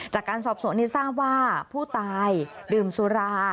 จากการสอบสวนนี้ทราบว่าผู้ตายดื่มสุรา